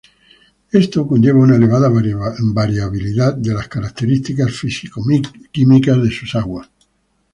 Esto conlleva una elevada variabilidad de las características físico-químicas de sus aguas.